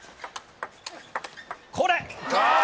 これ！